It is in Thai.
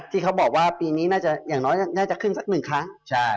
ที่เขาบอกว่าปีนี้น่าจะอย่างน้อยน่าจะขึ้นสักหนึ่งครั้ง